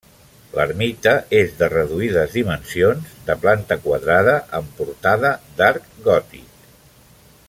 L'ermita és de reduïdes dimensions, de planta quadrada, amb portada d'arc gòtic.